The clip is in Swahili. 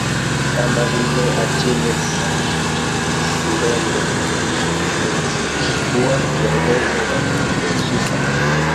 kama vile Achile Mbembe ni kuwa viongozi walioshika